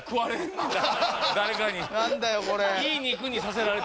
何だよこれ。